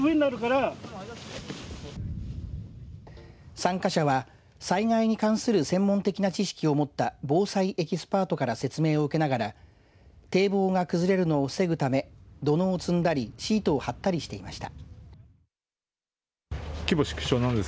参加者は災害に関する専門的な知識を持った防災エキスパートから説明を受けながら堤防が崩れるのを防ぐため土のうを積んだりシートを張ったりしていました。